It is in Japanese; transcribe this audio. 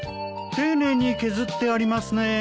丁寧に削ってありますねえ。